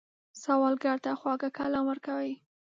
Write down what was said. سوالګر ته خواږه کلام ورکوئ